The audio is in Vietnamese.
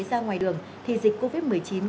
ra ngoài đường thì dịch covid một mươi chín